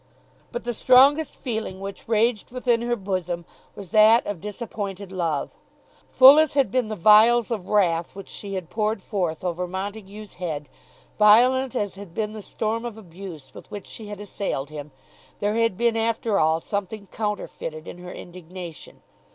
But the strongest feeling which raged within her bosom was that of disappointed love. Full as had been the vials of wrath which she had poured forth over Montague's head, violent as had been the storm of abuse with which she had assailed him, there had been after all something counterfeited in her indignation.